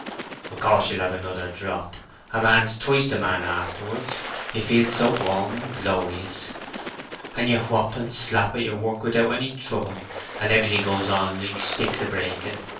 "Of course, you'll have another drop. A man's twice the man afterwards. You feel so warm and glorious, and you whop and slap at your work without any trouble, and everything goes on like sticks a breaking.